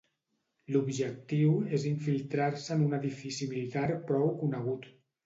L'objectiu és infiltrar-se en un edifici militar prou conegut.